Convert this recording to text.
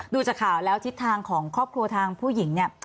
ดูจากข่าวแล้วทิศทางของครอบครัวทางผู้หญิงเนี่ย